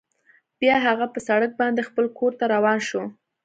بیا هغه په سړک باندې خپل کور ته روان شو